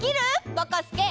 ぼこすけ。